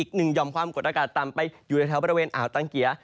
อีกหนึ่งห่อมความกดอากาศต่ำไปอยู่ในแถวบริเวณอ่าวตังเกีย